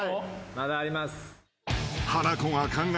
まだあります。